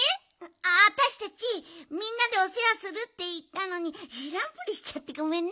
あたしたちみんなでおせわするっていったのにしらんぷりしちゃってごめんね。